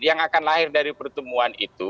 yang akan lahir dari pertemuan itu